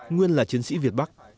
nguyên là chiến sĩ việt bắc